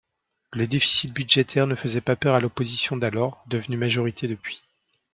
Le déficit budgétaire ne faisait pas peur à l’opposition d’alors, devenue majorité depuis.